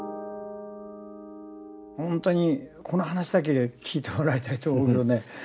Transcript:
ほんとにこの話だけ聞いてもらいたいと思うよね。